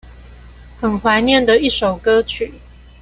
很懷念的一首歌曲